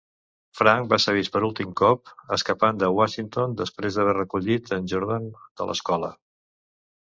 Frank va ser vist per últim cop escapant de Washington després d"haver recollit en Jordan de l"escola.